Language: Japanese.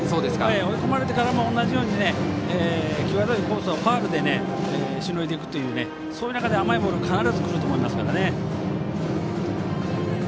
追い込まれてからも同じように、際どいコースをファウルでしのいでいってそういう中で甘いボールが必ず来ると思いますからね。